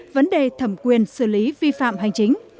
vấn đề thẩm quyền xử lý vi phạm hành chính